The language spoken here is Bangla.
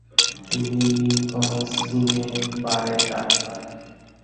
তিনি লিঙ্কন’স ইনে বারে ডাক পান।